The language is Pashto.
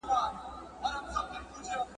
خُم به سر پر سر تشيږي !.